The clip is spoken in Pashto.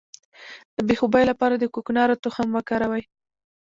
د بې خوبۍ لپاره د کوکنارو تخم وکاروئ